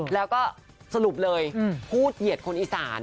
แล้วก็สรุปเลยพูดเหยียดคนอีสาน